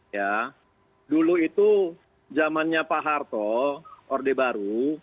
ya dulu itu zamannya pak harto orde baru